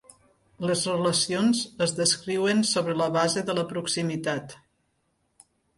Les relacions es descriuen sobre la base de la proximitat.